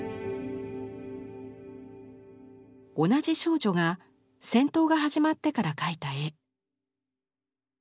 同じ少女が戦闘が始まってから描いた絵。